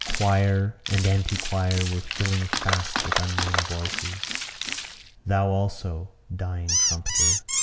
Choir and anti choir were filling fast with unknown voices. Thou also, Dying Trumpeter!